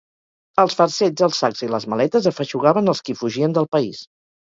Els farcells, els sacs i les maletes afeixugaven els qui fugien del país.